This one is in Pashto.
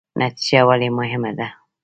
نتیجه ولې مهمه ده؟